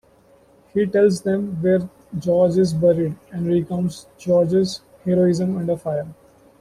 He tells them where George is buried and recounts George's heroism under fire.